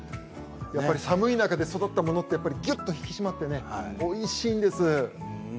やっぱり寒い中で育ったものはぐっと引き締まっておいしいんですよ。